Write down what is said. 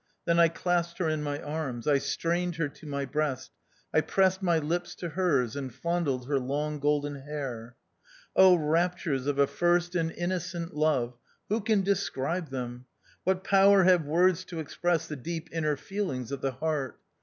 Then I clasped her in my arms ; I strained her to my breast ; I pressed my lips to hers, and fondled her long golden hair. raptures of a first and innocent love, who can describe them ? What power have words to express the deep inner feelings of the heart